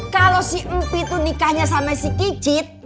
kalau si empi itu nikahnya sama si kicit